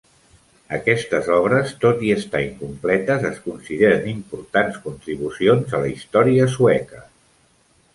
Aquestes obres, tot i estar incompletes, es consideren importants contribucions a la història sueca.